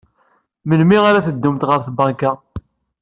Melmi ara teddumt ɣer tbanka?